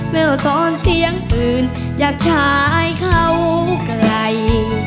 ไม่ต้องซ้อนเสียงอื่นอยากใช้เข้าไกล